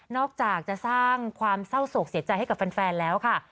อกจากจะสร้างความเศร้าโศกเสียใจให้กับแฟนแล้วค่ะ